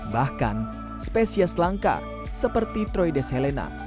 bahkan spesies langka seperti troides helena